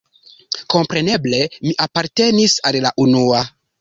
Kompreneble mi apartenis al la unua.